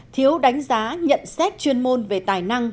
thiếu đánh giá nhận xét chuyên môn về tài năng